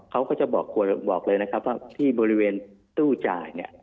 เขาก็จะบอกเลยนะครับว่าที่บริเวณตู้จ่ายเนี่ย